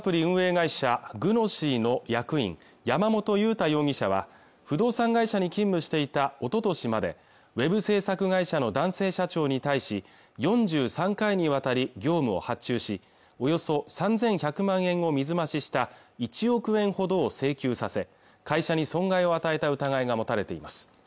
会社グノシーの役員山本裕太容疑者は不動産会社に勤務していたおととしまでウェブ制作会社の男性社長に対し４３回にわたり業務を発注しおよそ３１００万円を水増しした１億円ほどを請求させ会社に損害を与えた疑いが持たれています